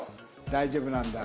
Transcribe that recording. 大丈夫なんだ。